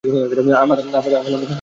আমার হাতে ছেড়ে দাও!